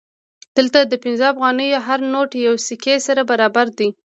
دلته د پنځه افغانیو هر نوټ یوې سکې سره برابر دی